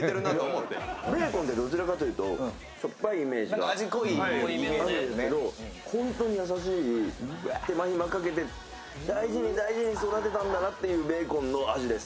ベーコンってどちらかというとしょっぱいイメージがあるんだけど本当に優しい、手間暇かけて大事に育てたんだなって感じのベーコンの味です。